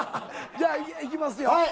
じゃあいきますよ。